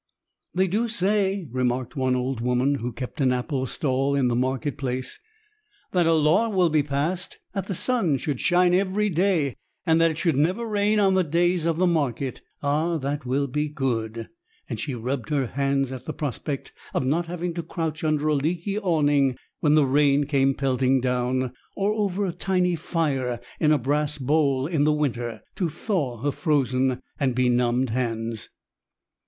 "They do say," remarked one old woman, who kept an apple stall in the market place, "that a law will be passed that the sun should shine every day, and that it should never rain on the days of the market. Ah! that will be good," and she rubbed her hands at the prospect of not having to crouch under a leaky awning when the rain came pelting down, or over a tiny fire in a brass bowl in the winter, to thaw her frozen and benumbed hands.